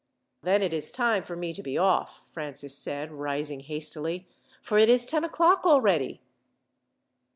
"Then it is time for me to be off," Francis said, rising hastily, "for it is ten o'clock already."